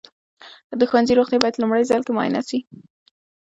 د ښوونځي روغتیا باید لومړي ځل کې معاینه سي.